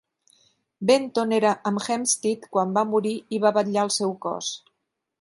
Benton era amb Hempstead quan va morir i va vetllar el seu cos.